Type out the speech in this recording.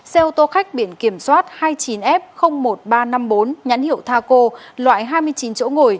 xe ô tô khách biển kiểm soát hai mươi chín f một nghìn ba trăm năm mươi bốn nhãn hiệu taco loại hai mươi chín chỗ ngồi